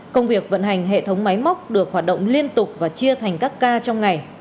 công việc vận hành hệ thống máy móc được hoạt động liên tục và chia thành các ca trong ngày